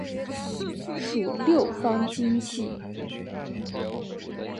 属六方晶系。